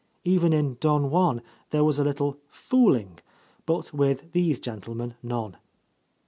Even in "Don Juan" there was a little "fooling," but with these gentlemen none.